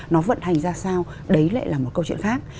nó vận hành ra sao đấy lại là một câu chuyện khác